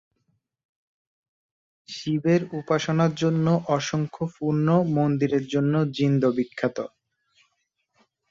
শিবের উপাসনার জন্য অসংখ্য পুণ্য মন্দিরের জন্য জিন্দ বিখ্যাত।